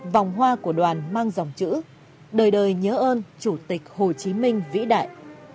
vòng hoa của đoàn mang dòng chữ đời đời nhớ ơn chủ tịch hồ chí minh vĩ đại